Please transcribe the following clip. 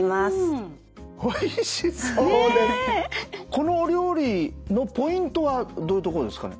このお料理のポイントはどういうとこですかね？